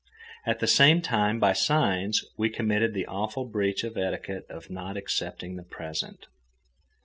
At the same time, by signs, we committed the awful breach of etiquette of not accepting the present.